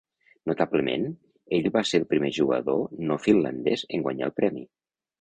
Notablement, ell va ser el primer jugador no finlandès en guanyar el premi.